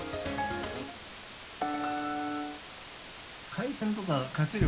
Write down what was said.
回転とか活力